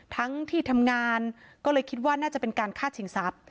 ทั้งที่ทำงานก็เลยคิดว่าน่าจะเป็นการฆ่าชิงทรัพย์